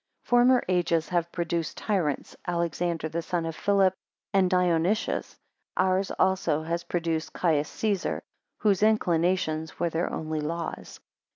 4 Former ages have produced (tyrants) Alexander the son of Philip, and Dionysius; ours also has produced Caius Caesar; whose inclinations were their only laws.